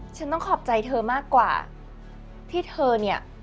ฉันต้องขอบใจเธอมากกว่าที่เธอเนี่ย